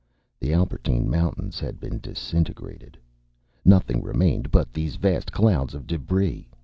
The Albertine Mountains had been disintegrated. Nothing remained but these vast clouds of debris.